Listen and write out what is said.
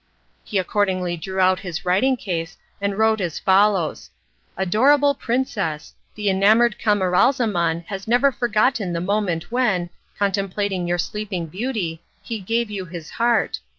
He accordingly drew out his writing case and wrote as follows "Adorable princess! The enamoured Camaralzaman has never forgotten the moment when, contemplating your sleeping beauty, he gave you his heart.